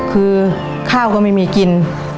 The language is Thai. คือข้าวก็ไม่มีกิน